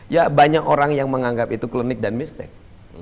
ya banyak orang yang menganggap itu klinik dan mistik